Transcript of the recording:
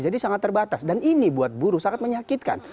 jadi sangat terbatas dan ini buat buruh sangat menyakitkan